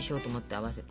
合わせて。